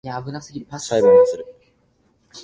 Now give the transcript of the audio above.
裁判をする